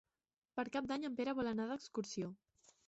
Per Cap d'Any en Pere vol anar d'excursió.